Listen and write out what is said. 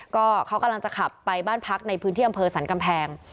ก็เขากำลังจะขับไปบ้านพักในพื้นที่อำเภอสรรกำแพง